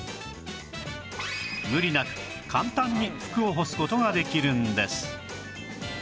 無理なく簡単に服を干す事ができるんです